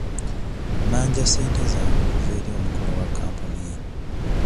Mmanja ssente zange okuva eri omukulu wa kampuni eno.